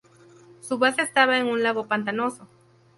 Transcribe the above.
Su base estaba en un lago pantanoso.